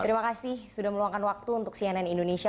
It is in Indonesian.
terima kasih sudah meluangkan waktu untuk cnn indonesia